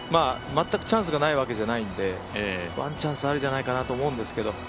全くチャンスがないわけじゃないので、ワンチャンスあるんじゃないかなと思うんですけど。